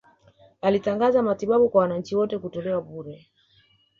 Alitangaza matibabu kwa wananchi wote kutolewa bure